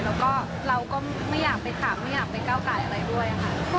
แล้วก็เราก็ไม่อยากไปถามไม่อยากไปก้าวไก่อะไรด้วยค่ะ